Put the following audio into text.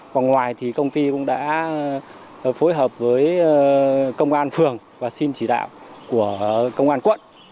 vòng ngoài thì công ty cũng đã phối hợp với công an phường và xin chỉ đạo của công an quận